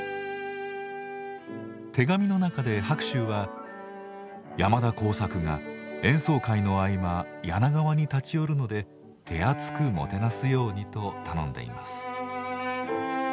手紙の中で白秋は「山田耕筰が演奏会の合間柳川に立ち寄るので手厚くもてなすように」と頼んでいます。